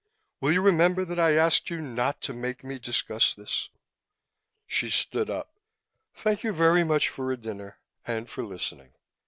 "Will you remember that I asked you not to make me discuss it?" She stood up. "Thank you very much for a dinner. And for listening.